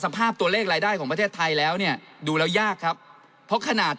สภาพตัวเลขรายได้ของประเทศไทยแล้วเนี่ยดูแล้วยากครับเพราะขนาด